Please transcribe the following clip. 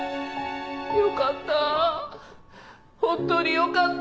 よかった。